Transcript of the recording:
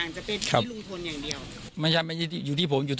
ลุงพลบอกว่ามันก็เป็นการทำความเข้าใจกันมากกว่าเดี๋ยวลองฟังดูค่ะ